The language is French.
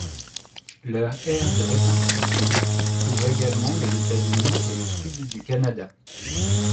Leur aire de répartition couvre également les États-Unis et le Sud du Canada.